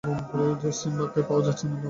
সিম্বাকে পাওয়া যাচ্ছে না বাবা।